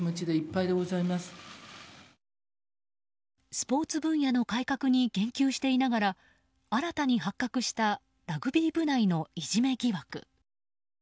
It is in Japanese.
スポーツ分野の改革に言及していながら新たに発覚したラグビー部内のいじめ疑惑。